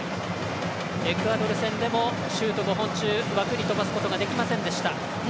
エクアドル戦でもシュート５本中枠に飛ばすことができませんでした。